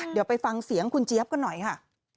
เดี๋ยวไปฟังเสียงคุณเจี๊ยบกันหน่อยค่ะ